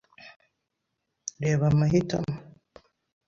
Reba amahitamo.